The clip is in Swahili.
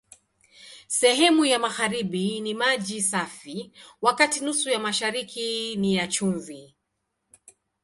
Sehemu ya magharibi ni maji safi, wakati nusu ya mashariki ni ya chumvi.